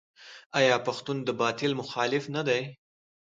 آیا پښتون د باطل مخالف نه دی؟